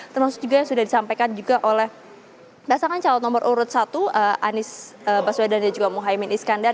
termasuk juga yang sudah disampaikan juga oleh pasangan calon nomor urut satu anies baswedan dan juga muhaymin iskandar